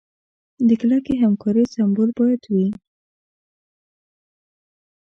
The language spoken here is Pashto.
د کلکې همکارۍ سمبول باید وي.